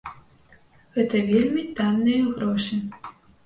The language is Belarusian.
Гэта вельмі танныя грошы.